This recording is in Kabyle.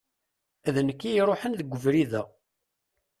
D nekk i iṛuḥen g ubrid-a.